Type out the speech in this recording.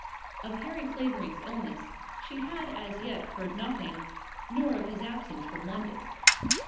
Of Harry Clavering's illness she had as yet heard nothing, nor of his absence from London.